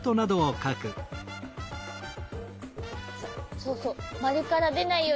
そうそう。